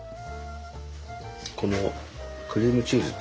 このクリームチーズと。